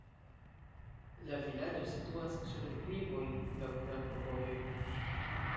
La vilaĝo situas sur deklivoj, laŭ flankovojoj.